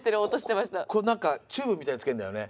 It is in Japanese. これ何かチューブみたいなのつけるんだよね。